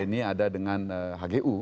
ini ada dengan hgu